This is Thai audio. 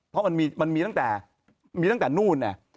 เพราะมีตั้งแต่นู้น